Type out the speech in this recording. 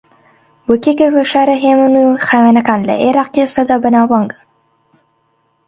وەک یەکێک لە شارە ھێمن و خاوێنەکان لە عێراقی ئێستادا بەناوبانگە